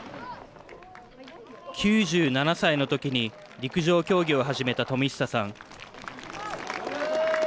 ９７歳の時に陸上競技を始めた冨久さん